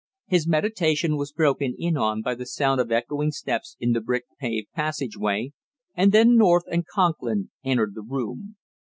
His meditation was broken in on by the sound of echoing steps in the brick paved passageway, and then North and Conklin entered the room.